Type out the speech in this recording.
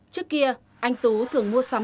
trước kia anh tú thường mua sắm